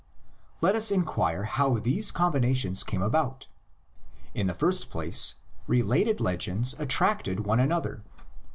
Let us inquire how these combinations came about. In the first place, related legends attracted one another.